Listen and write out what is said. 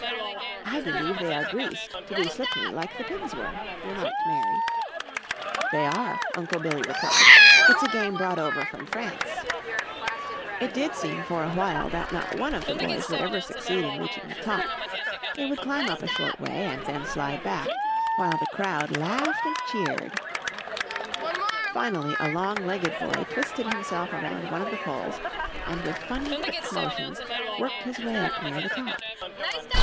"I believe they are greased to be slippery like the pigs were," remarked Mary. "They are," Uncle Billy replied, "it's a game brought over from France." It did seem for a while that not one of the boys ever would succeed in reaching the top. They would climb up a short way and then slide back, while the crowd laughed and cheered. [Illustration: "Now I've got you, you little rascal!" he cried, and the crowd cheered.] Finally a long legged boy twisted himself around one of the poles and with funny, quick motions worked his way up near the top.